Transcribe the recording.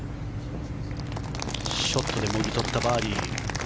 ショットでもぎ取ったバーディー。